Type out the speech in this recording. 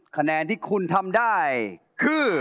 คะแนนที่คุณทำได้คือ